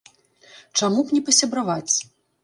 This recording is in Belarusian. Чаму б не пасябраваць?